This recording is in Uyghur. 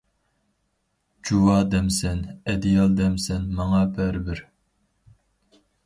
جۇۋا دەمسەن، ئەدىيال دەمسەن ماڭا بەرىبىر.